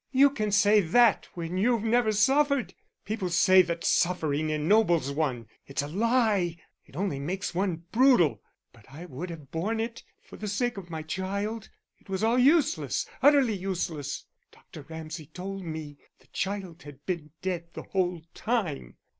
"You can say that when you've never suffered. People say that suffering ennobles one; it's a lie, it only makes one brutal.... But I would have borne it for the sake of my child. It was all useless utterly useless. Dr. Ramsay told me the child had been dead the whole time.